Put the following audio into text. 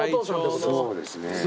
そうですね。